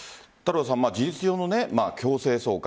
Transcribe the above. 事実上の強制送還。